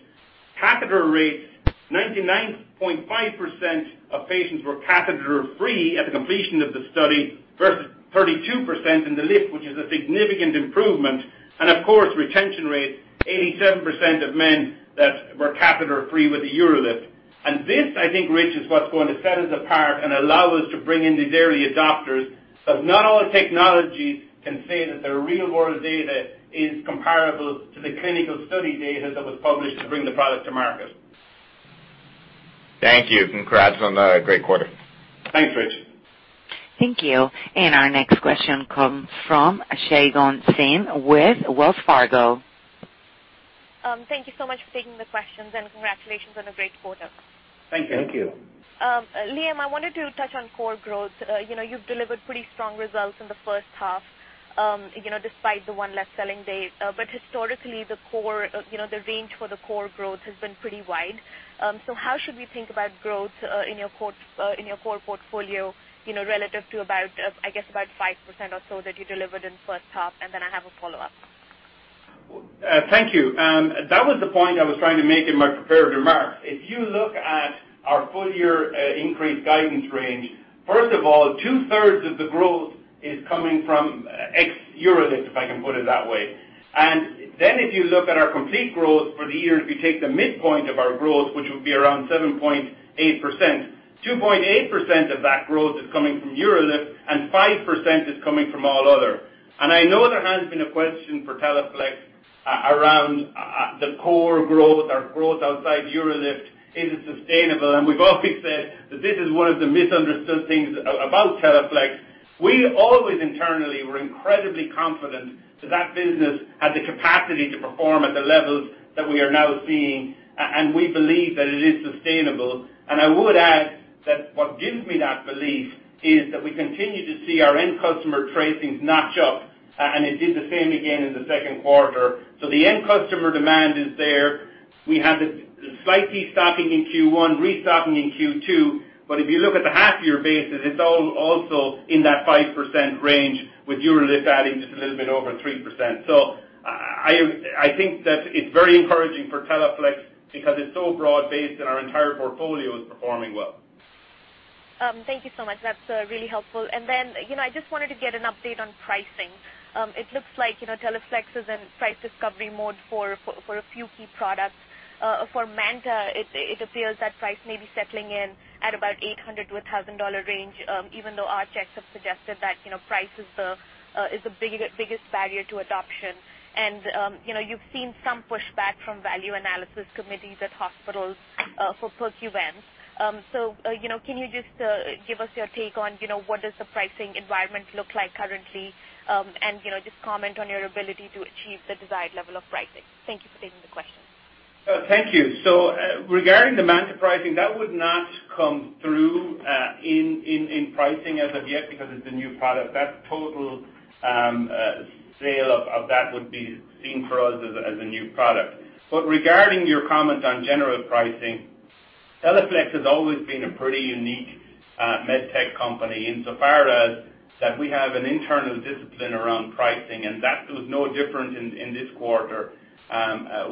Catheter rates, 99.5% of patients were catheter-free at the completion of the study versus 32% in the LIFT, which is a significant improvement. Of course, retention rate, 87% of men that were catheter-free with the UroLift. This, I think, Rich, is what's going to set us apart and allow us to bring in these early adopters. Not all technologies can say that their real-world data is comparable to the clinical study data that was published to bring the product to market. Thank you. Congrats on a great quarter. Thanks, Rich. Thank you. Our next question comes from Shagun Singh with Wells Fargo. Thank you so much for taking the questions and congratulations on a great quarter. Thank you. Thank you. Liam, I wanted to touch on core growth. You've delivered pretty strong results in the first half despite the one less selling day. Historically, the range for the core growth has been pretty wide. How should we think about growth in your core portfolio relative to about, I guess about 5% or so that you delivered in the first half? I have a follow-up. Thank you. That was the point I was trying to make in my prepared remarks. If you look at our full-year increased guidance range, first of all, two-thirds of the growth is coming from ex UroLift, if I can put it that way. If you look at our complete growth for the year, if you take the midpoint of our growth, which would be around 7.8%, 2.8% of that growth is coming from UroLift and 5% is coming from all other. I know there has been a question for Teleflex around the core growth or growth outside UroLift. Is it sustainable? We've always said that this is one of the misunderstood things about Teleflex. We always internally were incredibly confident that that business had the capacity to perform at the levels that we are now seeing, and we believe that it is sustainable. I would add that what gives me that belief is that we continue to see our end customer tracings notch up, and it did the same again in the second quarter. The end customer demand is there. We had slightly stocking in Q1, restocking in Q2. If you look at the half-year basis, it's also in that 5% range with UroLift adding just a little bit over 3%. I think that it's very encouraging for Teleflex because it's so broad-based, and our entire portfolio is performing well. Thank you so much. That's really helpful. Then, I just wanted to get an update on pricing. It looks like Teleflex is in price discovery mode for a few key products. For MANTA, it appears that price may be settling in at about $800-$1,000 range, even though our checks have suggested that price is the biggest barrier to adoption. You've seen some pushback from value analysis committees at hospitals for Percuvance. Can you just give us your take on what does the pricing environment look like currently? Just comment on your ability to achieve the desired level of pricing. Thank you for taking the question. Thank you. Regarding the MANTA pricing, that would not come through in pricing as of yet because it's a new product. That total sale of that would be seen for us as a new product. Regarding your comment on general pricing, Teleflex has always been a pretty unique med tech company insofar as that we have an internal discipline around pricing, and that was no different in this quarter.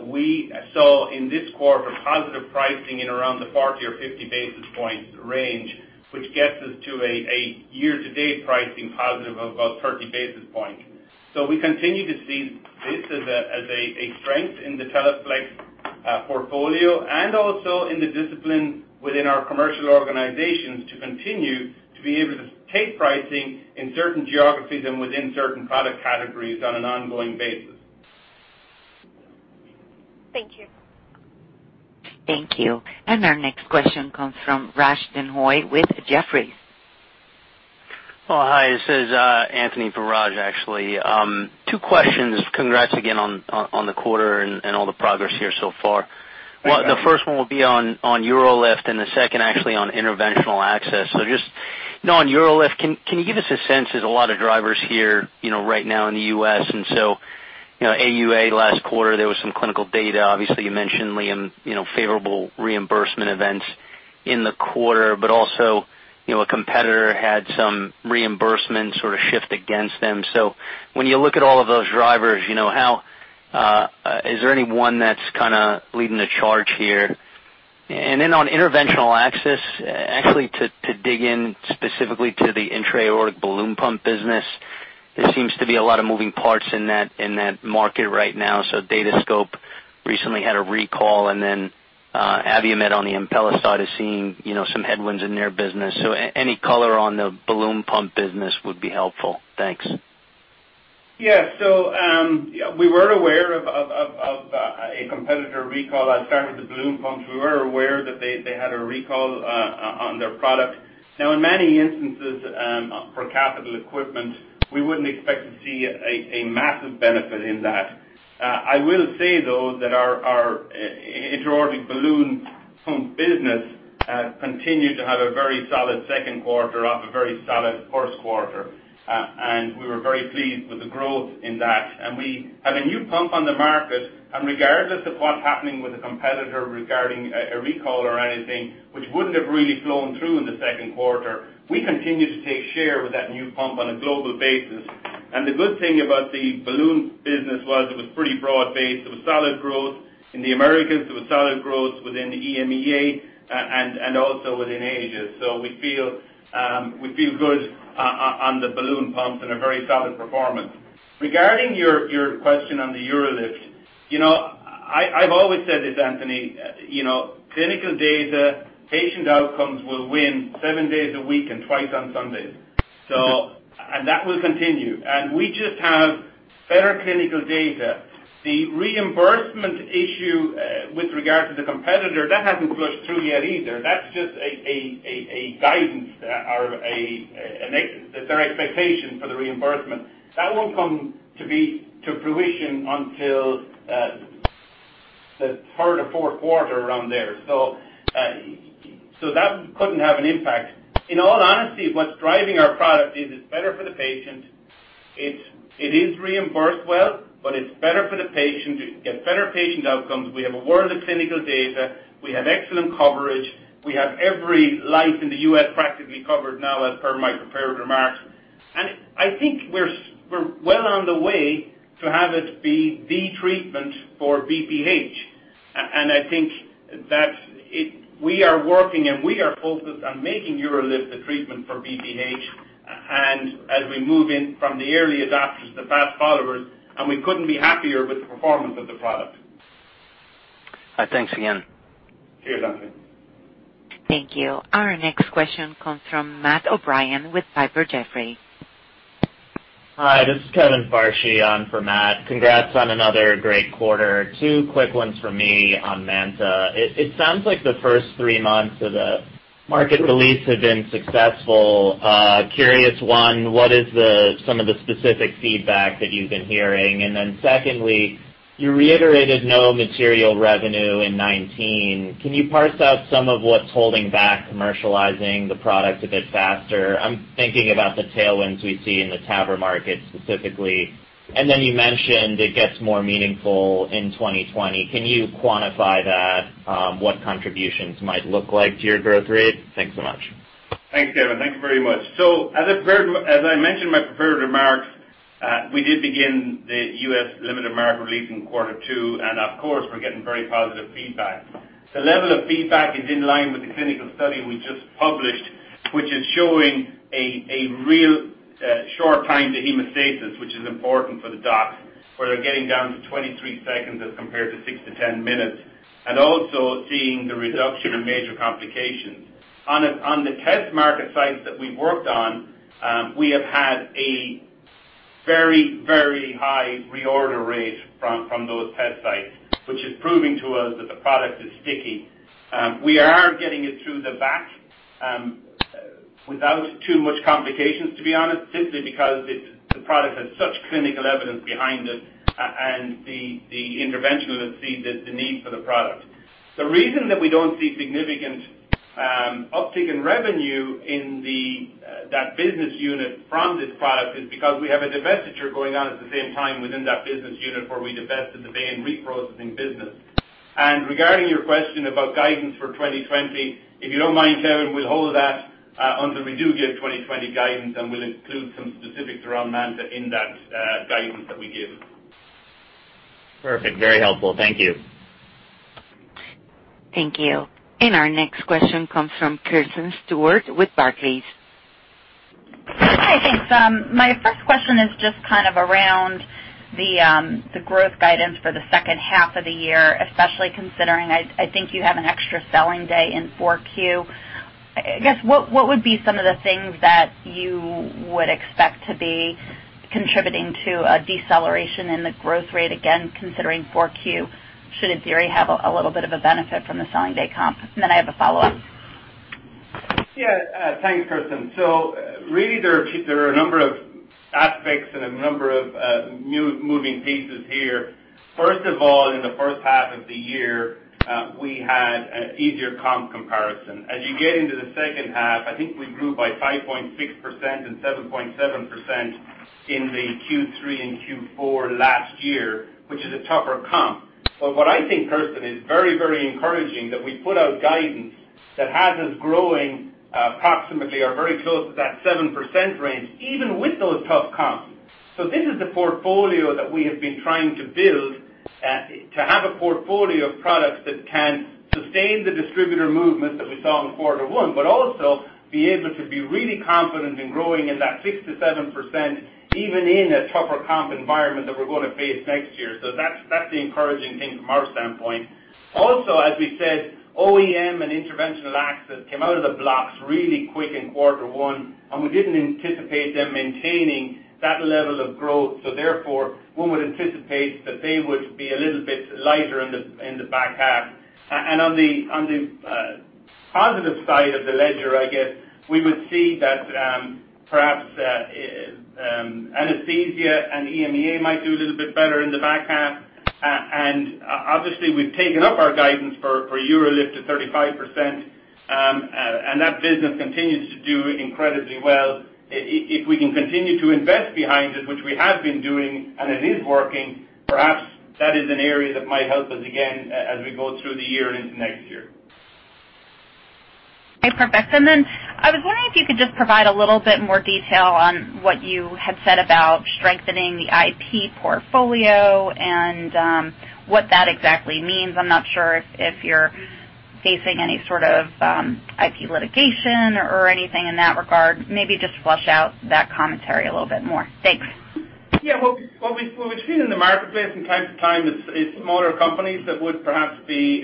We saw in this quarter positive pricing in around the 40 or 50 basis points range, which gets us to a year-to-date pricing positive of about 30 basis points. We continue to see this as a strength in the Teleflex portfolio and also in the discipline within our commercial organizations to continue to be able to take pricing in certain geographies and within certain product categories on an ongoing basis. Thank you. Thank you. Our next question comes from Raj Denhoy with Jefferies. Hi. This is Anthony for Raj, actually. Two questions. Congrats again on the quarter and all the progress here so far. Thanks. The first one will be on UroLift and the second actually on interventional access. Just know on UroLift, can you give us a sense, there's a lot of drivers here right now in the U.S. AUA last quarter, there was some clinical data. Obviously, you mentioned, Liam, favorable reimbursement events in the quarter, a competitor had some reimbursement sort of shift against them. When you look at all of those drivers, is there any one that's kind of leading the charge here? On interventional access, actually, to dig in specifically to the intra-aortic balloon pump business, there seems to be a lot of moving parts in that market right now. Datascope recently had a recall, Abiomed on the Impella side is seeing some headwinds in their business. Any color on the balloon pump business would be helpful. Thanks. Yeah. We were aware of a competitor recall. I'll start with the balloon pumps. We were aware that they had a recall on their product. Now in many instances for capital equipment, we wouldn't expect to see a massive benefit in that. I will say, though, that our intra-aortic balloon pump business continued to have a very solid second quarter off a very solid first quarter. We were very pleased with the growth in that. We have a new pump on the market, and regardless of what's happening with the competitor regarding a recall or anything, which wouldn't have really flown through in the second quarter, we continue to take share with that new pump on a global basis. The good thing about the balloon business was it was pretty broad-based. It was solid growth in the Americas, it was solid growth within the EMEA, and also within Asia. We feel good on the balloon pumps and a very solid performance. Regarding your question on the UroLift. I've always said this, Anthony. Clinical data, patient outcomes will win seven days a week and twice on Sundays. That will continue, and we just have better clinical data. The reimbursement issue with regard to the competitor, that hasn't flushed through yet either. That's just a guidance or their expectation for the reimbursement. That won't come to fruition until the third or fourth quarter around there. That couldn't have an impact. In all honesty, what's driving our product is it's better for the patient. It is reimbursed well, but it's better for the patient. You get better patient outcomes. We have a world of clinical data. We have excellent coverage. We have every life in the U.S. practically covered now as per my prepared remarks. I think we're well on the way to have it be the treatment for BPH. I think that we are working and we are focused on making UroLift the treatment for BPH, and as we move in from the early adopters to fast followers, and we couldn't be happier with the performance of the product. Thanks again. Cheers, Anthony. Thank you. Our next question comes from Matt O'Brien with Piper Jaffray. Hi, this is Kevin Farshi on for Matt. Congrats on another great quarter. Two quick ones for me on MANTA. It sounds like the first three months of the market release have been successful. Curious, one, what is some of the specific feedback that you've been hearing? Secondly, you reiterated no material revenue in 2019. Can you parse out some of what's holding back commercializing the product a bit faster? I'm thinking about the tailwinds we see in the TAVR market specifically. You mentioned it gets more meaningful in 2020. Can you quantify that, what contributions might look like to your growth rate? Thanks so much. Thanks, Kevin. Thank you very much. As I mentioned in my prepared remarks, we did begin the U.S. limited market release in quarter two, and of course, we're getting very positive feedback. The level of feedback is in line with the clinical study we just published, which is showing a real short time to hemostasis, which is important for the doc, where they're getting down to 23 seconds as compared to 6-10 minutes. Also seeing the reduction in major complications. On the test market sites that we've worked on, we have had a very high reorder rate from those test sites, which is proving to us that the product is sticky. We are getting it through the V.A.C. without too much complications, to be honest, simply because the product has such clinical evidence behind it and the interventionalists see the need for the product. The reason that we don't see a significant uptick in revenue in that business unit from this product is because we have a divestiture going on at the same time within that business unit where we divested the catheter reprocessing business. Regarding your question about guidance for 2020, if you don't mind, Kevin, we'll hold that until we do give 2020 guidance, and we'll include some specifics around MANTA in that guidance that we give. Perfect. Very helpful. Thank you. Thank you. Our next question comes from Kristen Stewart with Barclays. Hi, thanks. My first question is just kind of around the growth guidance for the second half of the year, especially considering, I think you have an extra selling day in 4Q. I guess, what would be some of the things that you would expect to be contributing to a deceleration in the growth rate, again, considering 4Q should in theory have a little bit of a benefit from the selling day comp? I have a follow-up. Yeah. Thanks, Kristen. Really, there are a number of aspects and a number of moving pieces here. First of all, in the first half of the year, we had an easier comp comparison. As you get into the second half, I think we grew by 5.6% and 7.7% in the Q3 and Q4 last year, which is a tougher comp. What I think, Kristen, is very encouraging that we put out guidance that has us growing approximately or very close to that 7% range even with those tough comps. This is the portfolio that we have been trying to build to have a portfolio of products that can sustain the distributor movement that we saw in quarter one, but also be able to be really confident in growing in that 6%-7%, even in a tougher comp environment that we're going to face next year. That's the encouraging thing from our standpoint. Also, as we said, OEM and interventional access came out of the blocks really quick in quarter one, and we didn't anticipate them maintaining that level of growth. Therefore, one would anticipate that they would be a little bit lighter in the back half. On the positive side of the ledger, I guess, we would see that perhaps anesthesia and EMEA might do a little bit better in the back half. Obviously, we've taken up our guidance for UroLift to 35%, and that business continues to do incredibly well. If we can continue to invest behind it, which we have been doing, and it is working, perhaps that is an area that might help us again as we go through the year and into next year. Okay. Perfect. I was wondering if you could just provide a little bit more detail on what you had said about strengthening the IP portfolio and what that exactly means. I'm not sure if you're facing any sort of IP litigation or anything in that regard. Maybe just flesh out that commentary a little bit more. Thanks. Yeah. What we've seen in the marketplace from time to time is smaller companies that would perhaps be,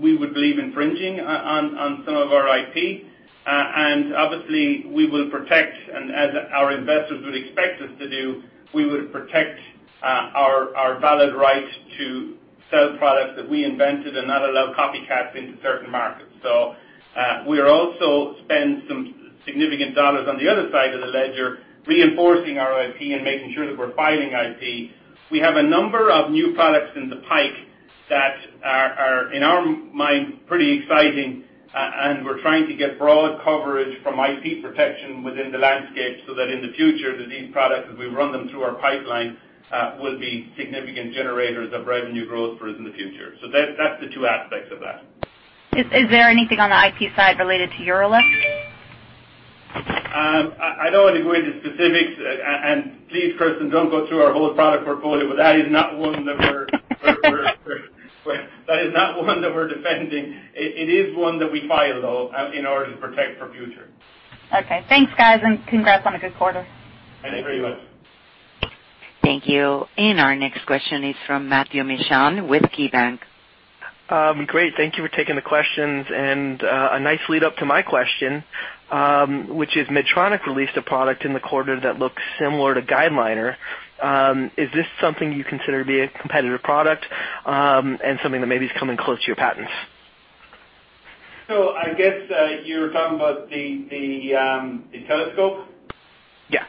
we would believe, infringing on some of our IP. Obviously, we will protect, and as our investors would expect us to do, we would protect our valid right to sell products that we invented and not allow copycats into certain markets. We'll also spend some significant dollars on the other side of the ledger reinforcing our IP and making sure that we're filing IP. We have a number of new products in the pipe that are, in our mind, pretty exciting, and we're trying to get broad coverage from IP protection within the landscape so that in the future, that these products, as we run them through our pipeline, will be significant generators of revenue growth for us in the future. That's the two aspects of that. Is there anything on the IP side related to UroLift? I don't want to go into specifics. Please, Kristen, don't go through our whole product portfolio, but that is not one that we're defending. It is one that we filed, though, in order to protect for future. Okay. Thanks, guys, and congrats on a good quarter. Thank you very much. Thank you. Our next question is from Matthew Mishan with KeyBank. Great. Thank you for taking the questions. A nice lead-up to my question, which is Medtronic released a product in the quarter that looks similar to GuideLiner. Is this something you consider to be a competitive product and something that maybe is coming close to your patents? I guess, you're talking about the Telescope? Yes.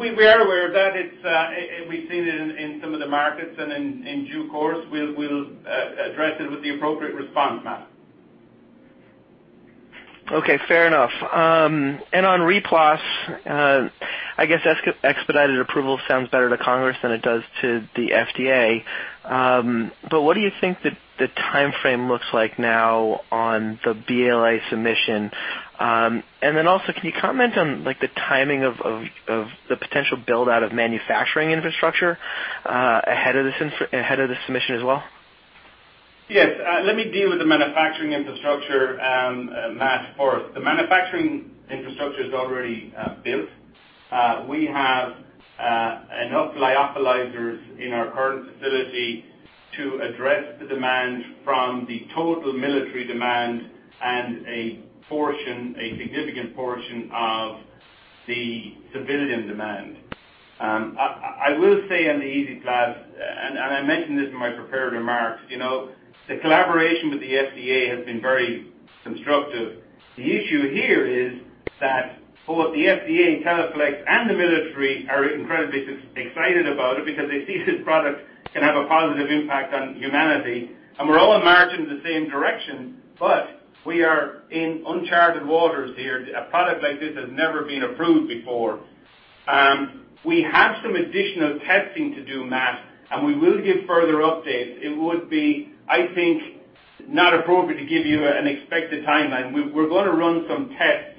We are aware of that. We've seen it in some of the markets, and in due course, we'll address it with the appropriate response, Matt. Okay, fair enough. On RePlas, I guess expedited approval sounds better to Congress than it does to the FDA. What do you think the timeframe looks like now on the BLA submission? Also, can you comment on the timing of the potential build-out of manufacturing infrastructure ahead of the submission as well? Yes. Let me deal with the manufacturing infrastructure, Matt, first. The manufacturing infrastructure is already built. We have enough lyophilizers in our current facility to address the demand from the total military demand and a significant portion of the civilian demand. I will say on the EZ-PLAZ, and I mentioned this in my prepared remarks, the collaboration with the FDA has been very constructive. The issue here is that both the FDA and Teleflex and the military are incredibly excited about it because they see this product can have a positive impact on humanity, and we're all marching in the same direction, but we are in uncharted waters here. A product like this has never been approved before. We have some additional testing to do, Matt, and we will give further updates. It would be, I think, not appropriate to give you an expected timeline. We're going to run some tests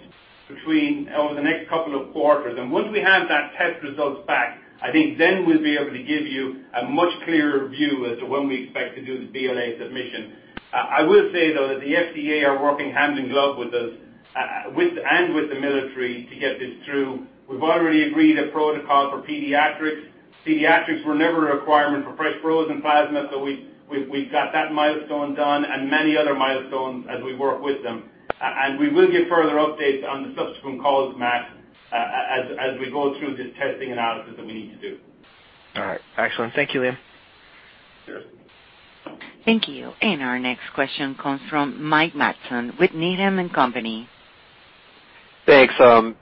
over the next couple of quarters, and once we have that test results back, I think then we'll be able to give you a much clearer view as to when we expect to do the BLA submission. I will say, though, that the FDA are working hand in glove with us and with the military to get this through. We've already agreed a protocol for pediatrics. Pediatrics were never a requirement for fresh frozen plasma, so we've got that milestone done and many other milestones as we work with them. We will give further updates on the subsequent calls, Matt, as we go through this testing analysis that we need to do. All right. Excellent. Thank you, Liam. Sure. Thank you. Our next question comes from Mike Matson with Needham & Company. Thanks.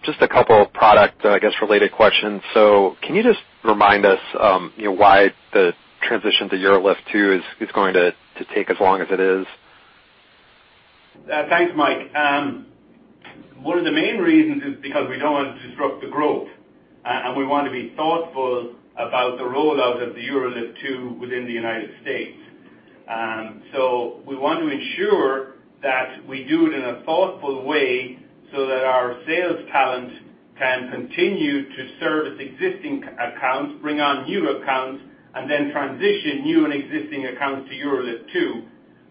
Just a couple of product, I guess, related questions. Can you just remind us why the transition to UroLift 2 is going to take as long as it is? Thanks, Mike. One of the main reasons is because we don't want to disrupt the growth. We want to be thoughtful about the rollout of the UroLift 2 within the U.S. We want to ensure that we do it in a thoughtful way so that our sales talent can continue to service existing accounts, bring on new accounts, and then transition new and existing accounts to UroLift 2.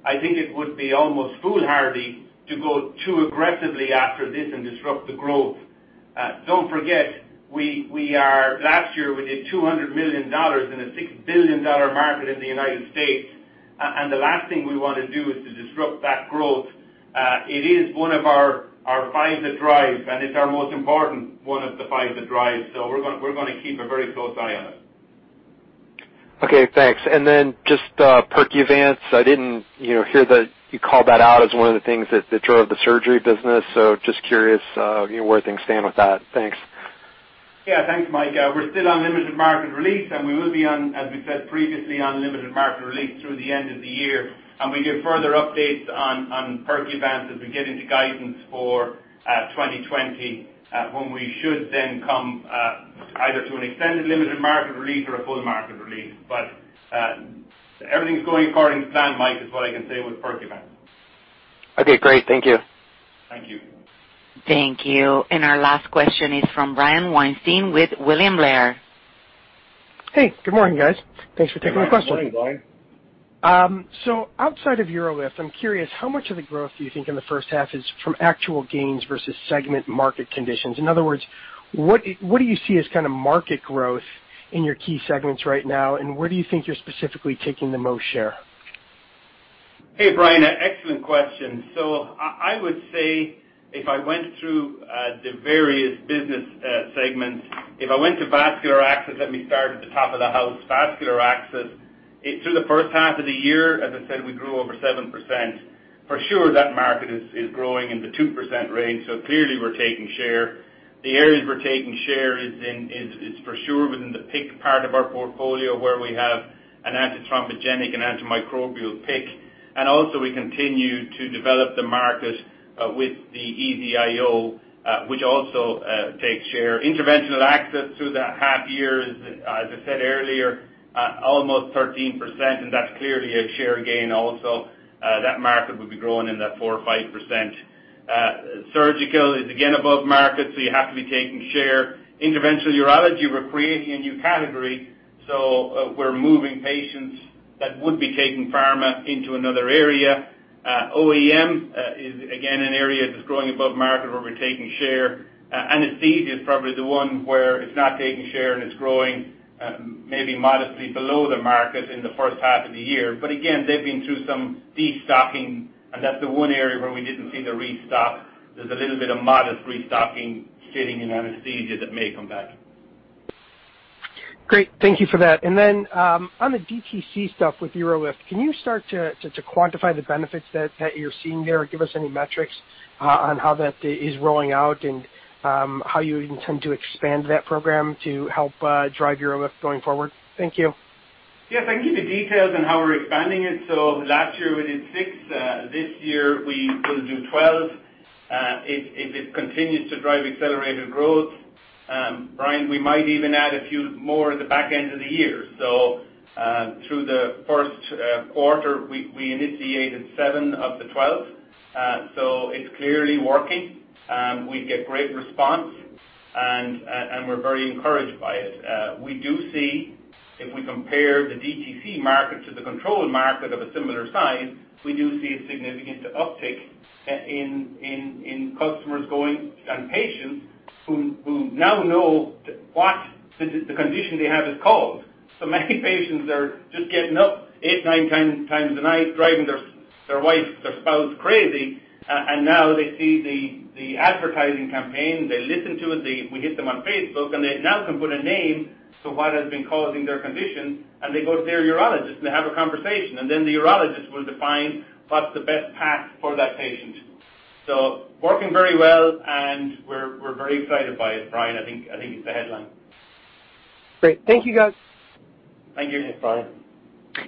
I think it would be almost foolhardy to go too aggressively after this and disrupt the growth. Don't forget, last year, we did $200 million in a $6 billion market in the U.S. The last thing we want to do is to disrupt that growth. It is one of our five that drive. It's our most important one of the five that drives. We're going to keep a very close eye on it. Okay, thanks. Just Percuvance, I didn't hear that you call that out as one of the things that drove the surgery business. Just curious where things stand with that. Thanks. Yeah. Thanks, Mike. We're still on limited market release. We will be on, as we said previously, on limited market release through the end of the year. We give further updates on Percuvance as we get into guidance for 2020, when we should then come either to an extended limited market release or a full market release. Everything's going according to plan, Mike, is what I can say with Percuvance. Okay, great. Thank you. Thank you. Thank you. Our last question is from Brian Weinstein with William Blair. Hey, good morning, guys. Thanks for taking my question. Good morning, Brian. Outside of UroLift, I'm curious how much of the growth do you think in the first half is from actual gains versus segment market conditions? In other words, what do you see as kind of market growth in your key segments right now, and where do you think you're specifically taking the most share? Hey, Brian. Excellent question. I would say if I went through the various business segments, if I went to vascular access, let me start at the top of the house. Vascular access, through the first half of the year, as I said, we grew over 7%. For sure, that market is growing in the 2% range, so clearly we're taking share. The areas we're taking share is for sure within the PICC part of our portfolio where we have an antithrombogenic and antimicrobial PICC. Also we continue to develop the market with the EZ-IO, which also takes share. Interventional access through the half year is, as I said earlier, almost 13%, and that's clearly a share gain also. That market will be growing in the 4% or 5%. Surgical is again above market, so you have to be taking share. Interventional urology, we're creating a new category. We're moving patients that would be taking pharma into another area. OEM is again an area that's growing above market where we're taking share. Anesthesia is probably the one where it's not taking share and it's growing maybe modestly below the market in the first half of the year. Again, they've been through some destocking and that's the one area where we didn't see the restock. There's a little bit of modest restocking sitting in Anesthesia that may come back. Great. Thank you for that. Then on the DTC stuff with UroLift, can you start to quantify the benefits that you're seeing there or give us any metrics on how that is rolling out and how you intend to expand that program to help drive UroLift going forward? Thank you. Yes. I gave you details on how we're expanding it. Last year we did six. This year we will do 12. If it continues to drive accelerated growth, Brian, we might even add a few more at the back end of the year. Through the first quarter, we initiated seven of the 12. It's clearly working. We get great response, and we're very encouraged by it. We do see if we compare the DTC market to the control market of a similar size, we do see a significant uptick in customers going and patients who now know what the condition they have is called. Many patients are just getting up eight, nine times a night, driving their wife, their spouse crazy, and now they see the advertising campaign, they listen to it, we hit them on Facebook, and they now can put a name to what has been causing their condition, and they go to their urologist and they have a conversation, and then the urologist will define what's the best path for that patient. Working very well, and we're very excited by it, Brian. I think it's the headline. Great. Thank you, guys. Thank you. Thanks, Brian.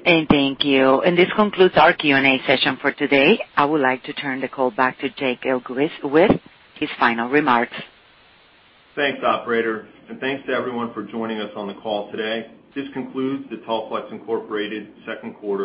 Thank you. This concludes our Q&A session for today. I would like to turn the call back to Jake Elguicze with his final remarks. Thanks, operator, and thanks to everyone for joining us on the call today. This concludes the Teleflex Incorporated second quarter